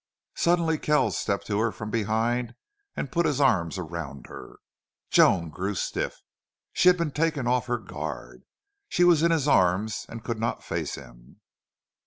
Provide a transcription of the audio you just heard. Suddenly Kells stepped to her from behind and put his arms around her. Joan grew stiff. She had been taken off her guard. She was in his arms and could not face him.